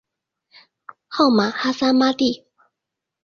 号玛哈萨嘛谛。